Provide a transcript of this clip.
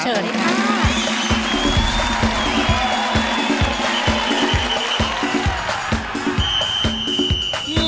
เชิญดีครับ